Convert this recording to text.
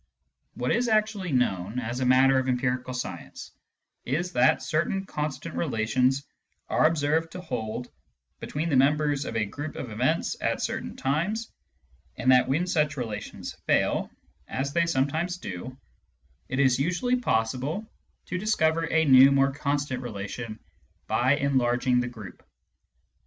What is actually known, as a matter of empirical science, is that certain constant relations are observed to hold between the members of a group of events at certain times, and that when such relations fail, as they sometimes do, it is usually possible to dis cover a new, more constant relation by enlarging the group.